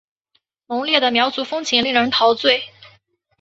浓烈的苗族风情令人陶醉。